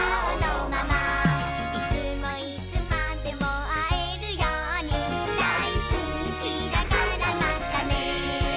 「いつもいつまでもあえるようにだいすきだからまたね」